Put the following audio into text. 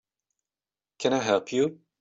Can I help you?